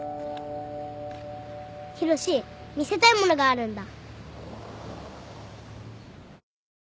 浩志見せたいものがあるんだ。